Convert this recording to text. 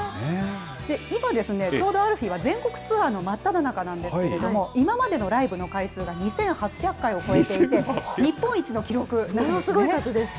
今ですね、ちょうどアルフィーは全国ツアーの真っただ中なんですけれども、今までのライブの回数が２８００回を超えていて、日本一の記録なものすごい数です。